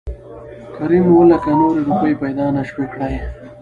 کريم اووه لکه نورې روپۍ پېدا نه شوى کړى .